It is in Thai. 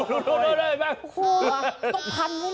โอ้โหต้องพันด้วยเลยค่ะ